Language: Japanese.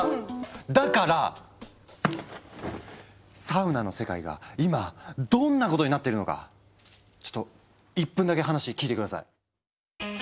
だからサウナの世界が今どんなことになってるのかちょっと１分だけ話聞いて下さい。